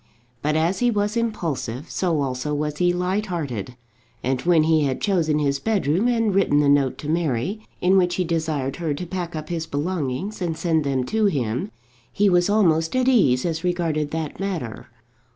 But as he was impulsive, so also was he light hearted, and when he had chosen his bedroom and written the note to Mary, in which he desired her to pack up his belongings and send them to him, he was almost at ease as regarded that matter.